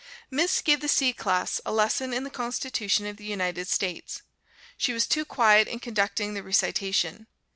Miss gave the C class a lesson in the Constitution of the United States. She was too quiet in conducting the recitation.